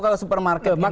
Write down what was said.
kalau supermarket gimana